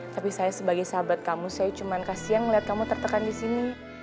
tapi saya sebagai sahabat kamu saya cuma kasihan melihat kamu tertekan di sini